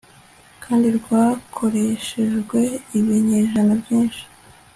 kandi bwakoreshejwe ibinyejana byinshi